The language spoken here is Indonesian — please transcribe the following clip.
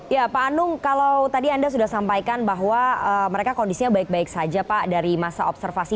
ya pak anung kalau tadi anda sudah sampaikan bahwa mereka kondisinya baik baik saja pak dari masa observasi